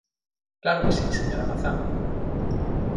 ¡Claro que si, señora Mazá!